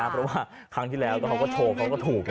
เพราะว่าครั้งที่แล้วเขาก็โชว์เขาก็ถูก